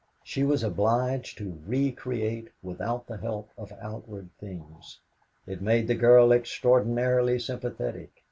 She was obliged to re create without the help of outward things. It made the girl extraordinarily sympathetic.